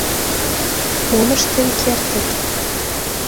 Мом ыштен кертыт?..